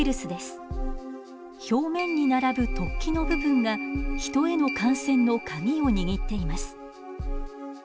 表面に並ぶ突起の部分がヒトへの感染のカギを握っています。